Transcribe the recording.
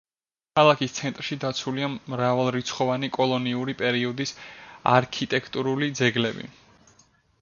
ქალაქის ცენტრში დაცულია მრავალრიცხოვანი კოლონიური პერიოდის არქიტექტურული ძეგლები.